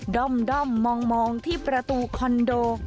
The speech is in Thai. ด้อมมองที่ประตูคอนโด